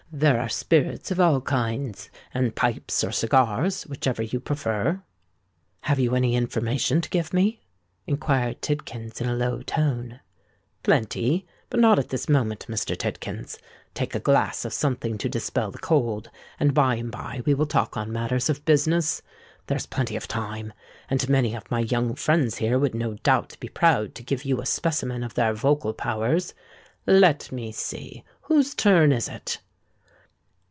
There are spirits of all kinds, and pipes or cigars—whichever you prefer." "Have you any information to give me?" inquired Tidkins in a low tone. "Plenty—but not at this moment, Mr. Tidkins. Take a glass of something to dispel the cold; and by and bye we will talk on matters of business. There is plenty of time; and many of my young friends here would no doubt be proud to give you a specimen of their vocal powers. Let me see—who's turn is it?"